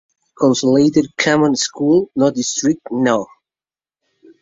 El "Southside Consolidated Common School District No.